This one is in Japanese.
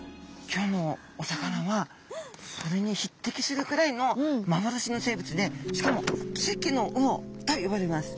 今日のお魚はそれに匹敵するくらいの幻の生物でしかも「奇跡の魚」と呼ばれます。